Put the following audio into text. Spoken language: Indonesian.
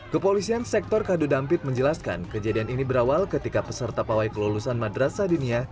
kepolisian sektor kadudampit menjelaskan kejadian ini berawal ketika peserta pawai kelulusan madrasah dunia